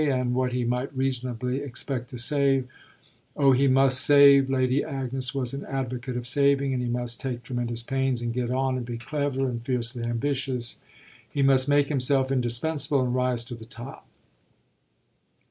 and what he might reasonably expect to save. Oh he must save Lady Agnes was an advocate of saving; and he must take tremendous pains and get on and be clever and fiercely ambitious: he must make himself indispensable and rise to the top.